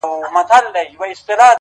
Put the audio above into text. خو دا لمر بيا په زوال د چا د ياد -